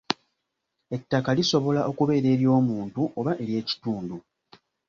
Ettaka lisobola okubeera ery'omuntu oba ery'ekitundu.